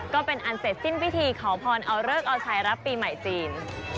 ก็เป็นอันเสร็จสิ้นพิธีขอพรเอาเลิกเอาชัยรับปีใหม่จีน